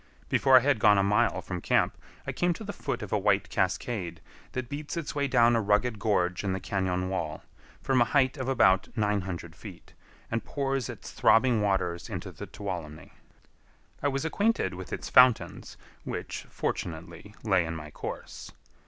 Before I had gone a mile from camp, I came to the foot of a white cascade that beats its way down a rugged gorge in the cañon wall, from a height of about nine hundred feet, and pours its throbbing waters into the Tuolumne. I was acquainted with its fountains, which, fortunately, lay in my course.